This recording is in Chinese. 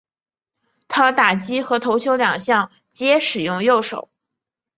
他打击和投球两项皆使用右手。